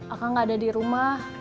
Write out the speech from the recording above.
akang gak ada dirumah